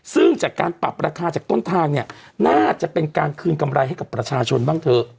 ซึ่งจากการปรับราคาจากต้นทางเนี่ยน่าจะเป็นการคืนกำไรให้กับประชาชนบ้างเถอะ